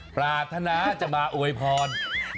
ปรารถนาจะมาอวยพร